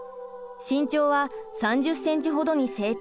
身長は３０センチほどに成長。